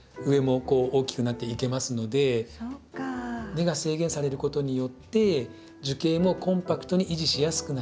根が制限されることによって樹形もコンパクトに維持しやすくなります。